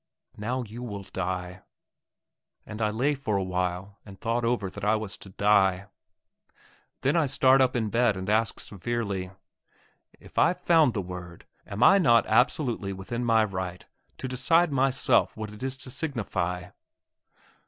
"Now you will die!" and I lay for a while and thought over that I was to die. Then I start up in bed and ask severely, "If I found the word, am I not absolutely within my right to decide myself what it is to signify?"...